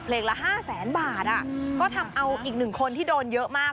ละ๕แสนบาทก็ทำเอาอีกหนึ่งคนที่โดนเยอะมาก